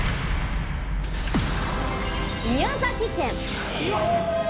宮崎県